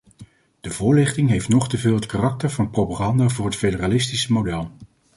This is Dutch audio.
De voorlichting heeft nog teveel het karakter van propaganda voor het federalistische model.